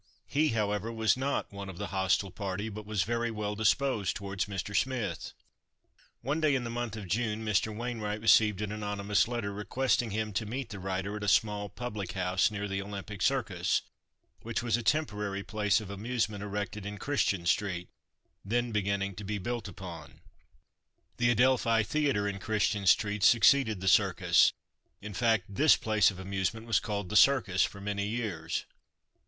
He, however, was not one of the hostile party, but was very well disposed towards Mr. Smith. One day, in the month of June, Mr. Wainwright received an anonymous letter, requesting him to meet the writer at a small public house near the "Olympic Circus," which was a temporary place of amusement erected in Christian street, then beginning to be built upon (the Adelphi Theatre in Christian street succeeded the Circus in fact, this place of amusement was called "the Circus" for many years).